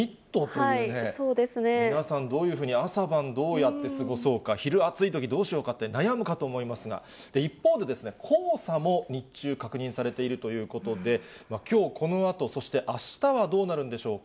皆さん、どういうふうに、朝晩どうやって過ごそうか、昼暑いとき、どうしようかって悩むかと思いますが、一方で、黄砂も日中確認されているということで、きょうこのあと、そしてあしたはどうなるんでしょうか。